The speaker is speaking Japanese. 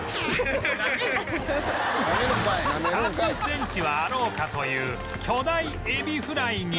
３０センチはあろうかという巨大エビフライに